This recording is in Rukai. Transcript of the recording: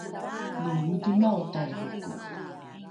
lo mikimao taihoko